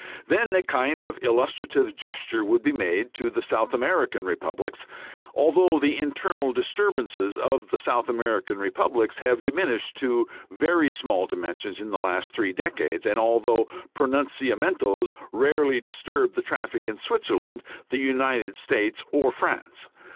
Then a kind of illustrative gesture would be made to the South American republics, although the internal disturbances of the South American republics have diminished to very small dimensions in the last three decades and although pronunciamentos rarely disturb the traffic in Switzerland, the United States, or France.